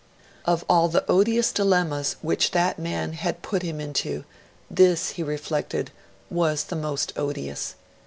Of all the odious dilemmas which that man had put him into this, he reflected, was the most odious.